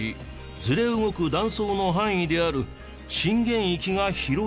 ずれ動く断層の範囲である震源域が広い。